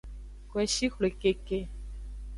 Koeshi xwle keke.